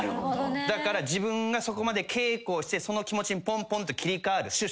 だから自分がそこまで稽古をしてその気持ちにぽんぽんと切り替わる。